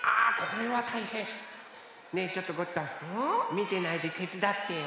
みてないでてつだってよ。